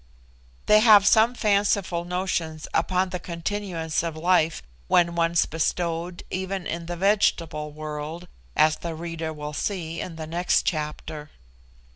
They have some fanciful notions upon the continuance of life, when once bestowed, even in the vegetable world, as the reader will see in the next chapter.